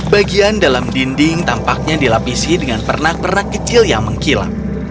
bagian dalam dinding tampaknya dilapisi dengan pernak pernak kecil yang mengkilap